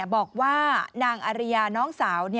บอกว่านางอริยาน้องสาว